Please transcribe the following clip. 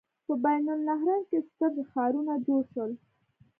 په بین النهرین کې ستر ښارونه جوړ شول.